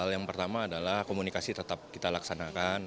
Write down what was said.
yang pertama adalah komunikasi tetap kita laksanakan